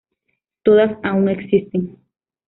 Todas aún existen.